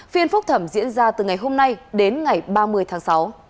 phiên phúc thẩm diễn ra từ ngày hôm nay đến ngày ba mươi tháng sáu